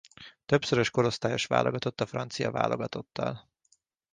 Többszörös korosztályos válogatott a francia válogatottal.